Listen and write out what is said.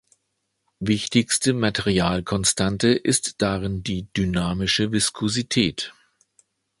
Wichtigste Materialkonstante ist darin die dynamische Viskosität.